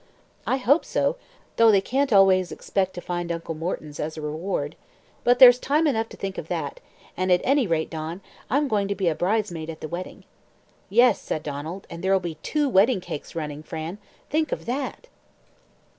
"I hope so, though they can't always expect to find Uncle Mortons as a reward. But there's time enough to think of that; and at any rate, Don, I'm going to be bride's maid at the wedding." "Yes," said Donald. "And there'll be two wedding cakes running, Fran think of that!"